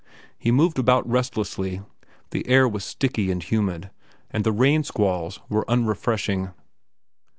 He moved about restlessly. The air was sticky and humid, and the rain squalls were unrefreshing.